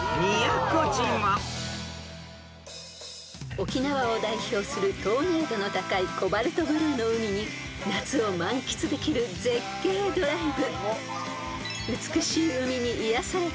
［沖縄を代表する透明度の高いコバルトブルーの海に夏を満喫できる絶景ドライブ］